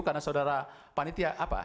karena saudara panitia apa